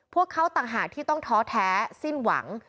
พวกเขาต่างหากที่ต้องท้อแท้สิ้นหวัง